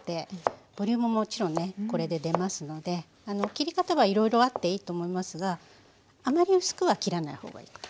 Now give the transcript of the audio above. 切り方はいろいろあっていいと思いますがあまり薄くは切らない方がいいかと。